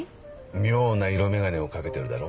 妙な色眼鏡を掛けてるだろ？